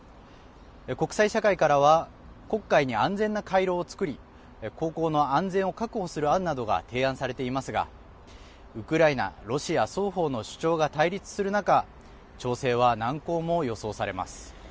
国際社会からは黒海に安全な回廊をつくり航行の安全を確保する案などが提案されていますがウクライナ、ロシア双方の主張が対立する中調整は難航も予想されます。